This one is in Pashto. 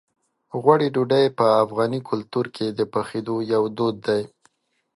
غوړي ډوډۍ په افغاني کلتور کې د پخېدو یو دود دی.